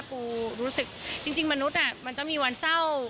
ปูรู้สึกจริงมนุษย์มันจะมีวันเศร้า